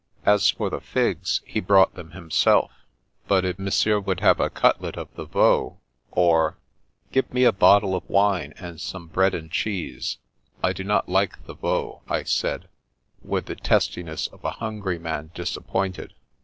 As for the figs, he brought them himself ; but if Mon sieur would have a cutlet of the veau, or "" Give me a bottle of wine, and some bread and cheese. I do not like the veau/* I said, with the testiness of a hungry man disappointed.